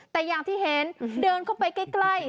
แต่อย่างที่เห็นเดินเข้าไปใกล้